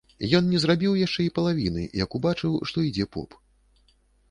Ён не зрабіў яшчэ й палавіны, як убачыў, што ідзе поп.